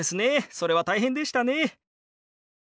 それは大変でしたね。